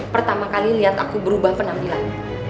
pertama kali lihat aku berubah penampilan